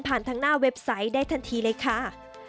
ทางหน้าเว็บไซต์ได้ทันทีเลยค่ะ